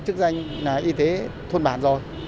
chức danh y tế thôn bản rồi